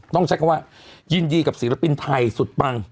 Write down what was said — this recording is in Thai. ต้องใช้คำว่ายินดีกับศิลปินไทยสุดปัง